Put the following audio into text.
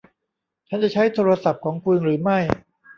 ฉันจะใช้โทรศัพท์ของคุณหรือไม่